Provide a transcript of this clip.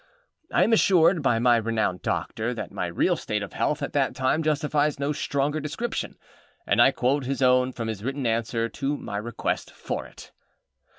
â I am assured by my renowned doctor that my real state of health at that time justifies no stronger description, and I quote his own from his written answer to my request for it.